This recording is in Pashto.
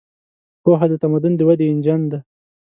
پوهه د تمدن د ودې انجن دی.